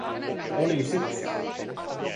Oli syksy.